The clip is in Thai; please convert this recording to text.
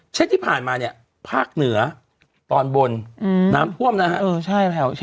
เช่นที่ผ่านมาเนี้ยภาคเหนือตอนบนอืมน้ำท่วมนะฮะเออใช่แถวเชียงใหม่